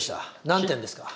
何点ですか？